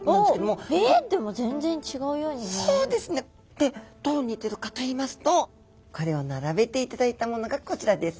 でどう似てるかといいますとこれを並べていただいたものがこちらです。